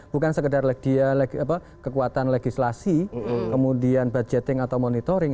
bukan sekedar dia kekuatan legislasi kemudian budgeting atau monitoring